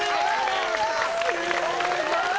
すーごい！